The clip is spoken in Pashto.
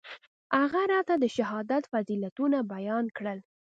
هغه راته د شهادت فضيلتونه بيان کړل.